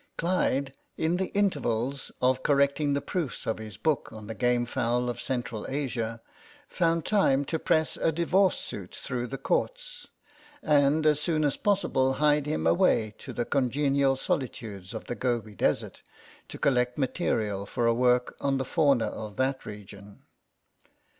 Clyde, in the in tervals of correcting the proofs of his book on the game fowl of Central Asia, found time to press a divorce suit through the Courts, and as soon as possible hied him away to the congenial solitudes of the Gobi Desert to collect material for a work on the fauna of that region.